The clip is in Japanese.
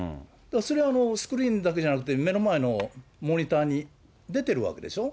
それ、スクリーンだけじゃなくて、目の前のモニターに出てるわけでしょ。